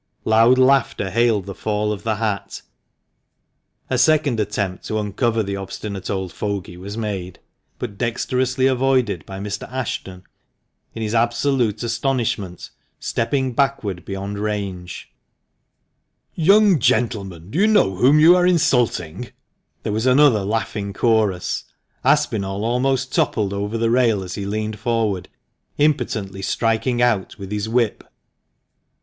Loud laughter hailed the fall of the hat. A second attempt to " uncover the obstinate old fogey " was made, but dexterously avoided by Mr. Ashton, in his absolute astonishment, stepping backward beyond range. BIRDS OF A FEATHER. THE MANCHESTER MAN. 323 "Young gentlemen, do you know whom you are insulting?" There was another laughing chorus. Aspinall almost toppled over the rail as he leaned forward, impotently striking out with his whip.